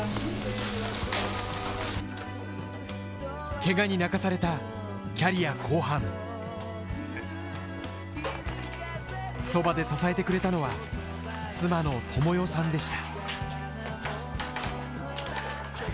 ケガに泣かされたキャリア後半そばで支えてくれたのは、妻の倫世さんでした。